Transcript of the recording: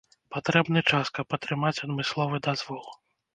Патрэбны час, каб атрымаць адмысловы дазвол.